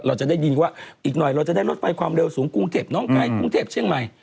เราจะได้ยินว่าอีกหน่อยเราจะได้รถไฟความเร็วสูงกรุงเทพน้องใกล้กรุงเทพเชียงใหม่